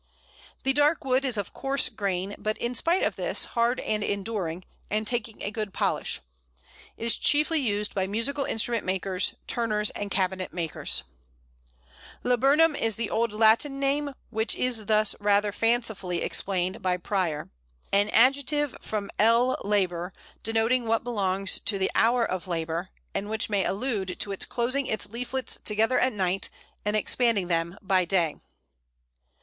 The dark wood is of coarse grain; but, in spite of this, hard and enduring, and taking a good polish. It is chiefly used by musical instrument makers, turners, and cabinet makers. [Illustration: Laburnum. A, seed pod.] Laburnum is the old Latin name, which is thus rather fancifully explained by Prior, "an adjective from L. labor, denoting what belongs to the hour of labour, and which may allude to its closing its leaflets together at night, and expanding them by day."